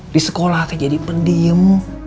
di sekolah jadi pendiem